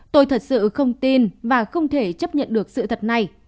tôi thật sự không tin và không thể chấp nhận được sự thật này